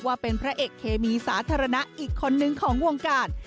ว่าเป็นพระเอกเคมีสาธารณะอีกคนนึงของวงการ